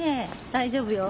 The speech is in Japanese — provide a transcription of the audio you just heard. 大丈夫よ。